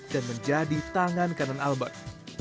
dan menjadi tangan kanan albert